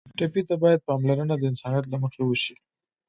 ټپي ته باید پاملرنه د انسانیت له مخې وشي.